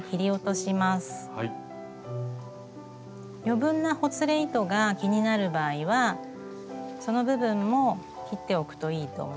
余分なほつれ糸が気になる場合はその部分も切っておくといいと思います。